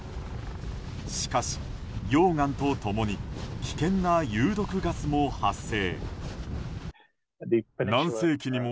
しかし、溶岩と共に危険な有毒ガスも発生。